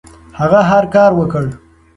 هغه هر کار وکړ.